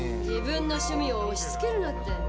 自分の趣味をおしつけるなって。